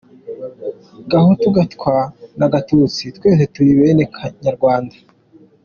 Gahutu, Gatwa na Gatutsi, twese turi bene Kanyarwanda.